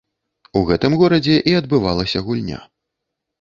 У гэтым горадзе і адбывалася гульня.